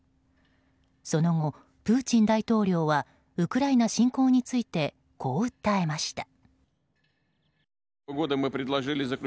その後、プーチン大統領はウクライナ侵攻についてこう訴えました。